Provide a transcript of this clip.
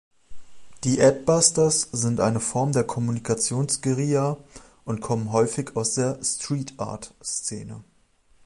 Die Adbusters sind eine Form der Kommunikationsguerilla und kommen häufig aus der "Streetart"-Szene.